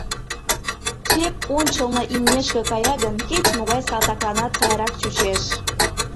Чеп ончылно имнешке кая гын, кеч-могай салтакланат сайрак чучеш.